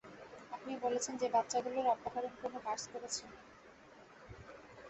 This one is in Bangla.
আপনি বলছেন যে বাচ্চাগুলোর অপহরণ কোনো কার্স করেছে?